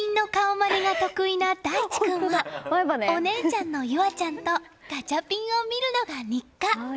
まねが得意な大地君はお姉ちゃんの結彩ちゃんとガチャピンを見るのが日課。